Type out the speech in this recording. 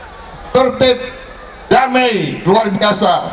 jutaan terbaik luar biasa